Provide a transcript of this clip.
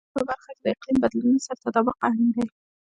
د کرنې په برخه کې د اقلیم بدلونونو سره تطابق اړین دی.